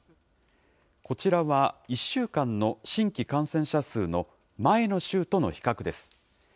こちらは１週間の新規感染者数の前の週との比較です。